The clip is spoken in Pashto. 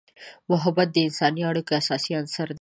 محبت د انسانی اړیکو اساسي عنصر دی.